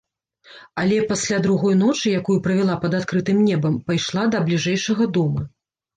Але пасля другой ночы, якую правяла пад адкрытым небам, пайшла да бліжэйшага дома.